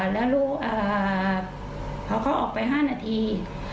แล้วเอ่อเพราะเขาออกไป๕นาที